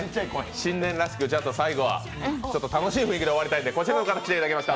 新年らしく最後は楽しい雰囲気で終わりたいんでこちらの方に来ていただきました。